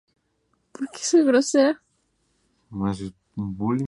Las teorías con supersimetría extendida usualmente contienen operadores de este tipo.